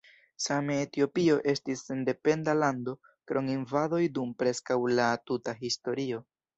Same Etiopio estis sendependa lando krom invadoj dum preskaŭ la tuta historio.